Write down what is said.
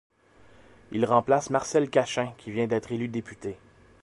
Il remplace Marcel Cachin qui vient d'être élu député.